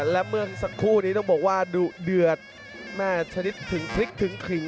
และเมื่อสักครู่นี้ต้องบอกว่าดุเดือดแม่ชนิดถึงพริกถึงขิง